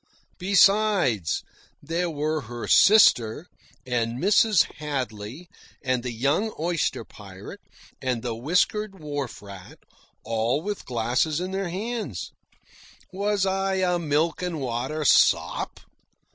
Besides, there were her sister, and Mrs. Hadley, and the young oyster pirate, and the whiskered wharf rat, all with glasses in their hands. Was I a milk and water sop?